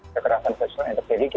kekerasan versi yang terjadi di